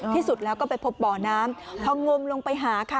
ที่สุดแล้วก็ไปพบบ่อน้ำพองมลงไปหาค่ะ